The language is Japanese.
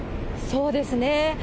そうですね。